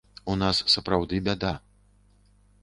У нас, сапраўды, бяда.